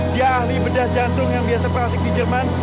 dia ahli bedah jantung yang biasa beraksi di jerman